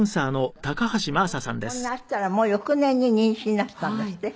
ご結婚なすったらもう翌年に妊娠なすったんですって？